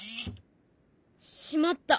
しまった。